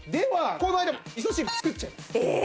この間に味噌汁作っちゃいます。